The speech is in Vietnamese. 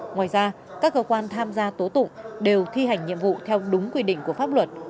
ngoài ra các cơ quan tham gia tố tụng đều thi hành nhiệm vụ theo đúng quy định của pháp luật